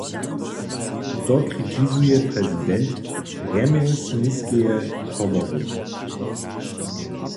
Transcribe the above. To kritizuje prezident rjemjeslniskeje komory.